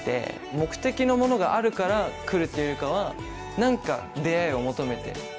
目的の物があるから来るというよりかは何か出会いを求めて。